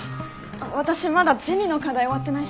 私まだゼミの課題終わってないし。